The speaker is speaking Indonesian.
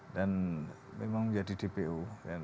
dan memang menjadi dpu